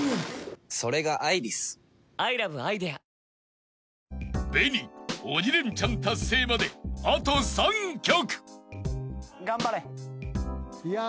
わかるぞ［ＢＥＮＩ鬼レンチャン達成まであと３曲］